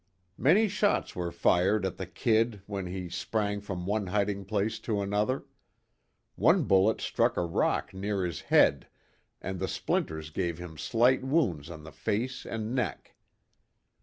Many shots were fired at the "Kid" when he sprang from one hiding place to another. One bullet struck a rock near his head, and the splinters gave him slight wounds on the face and neck.